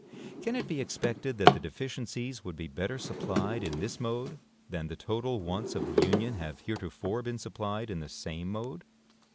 Can it be expected that the deficiencies would be better supplied in this mode than the total wants of the Union have heretofore been supplied in the same mode?